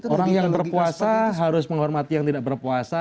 orang yang berpuasa harus menghormati yang tidak berpuasa